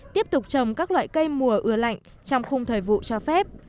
tiếp tục trồng các loại cây mùa ưa lạnh trong khung thời vụ cho phép